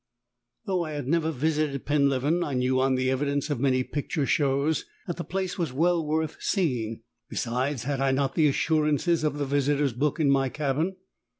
Though I had never visited Penleven I knew, on the evidence of many picture shows, that the place was well worth seeing. Besides, had I not the assurances of the Visitors' Book in my cabin?